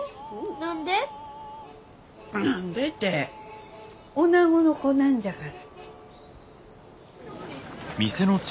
何でておなごの子なんじゃから。